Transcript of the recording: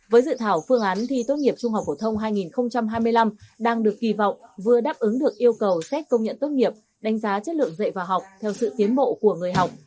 với dự thảo phương án thi tốt nghiệp trung học phổ thông hai nghìn hai mươi năm đang được kỳ vọng vừa đáp ứng được yêu cầu xét công nhận tốt nghiệp đánh giá chất lượng dạy và học theo sự tiến bộ của người học